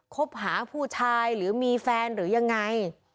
คบหาผู้ชายหรือมีแฟนหรือยังไง